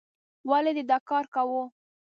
ولې دې دا کار کوو؟